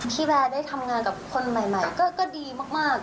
แวร์ได้ทำงานกับคนใหม่ก็ดีมาก